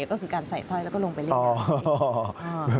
ก็คือการใส่ถ้อยแล้วก็ลงไปเลี่ยนทะเล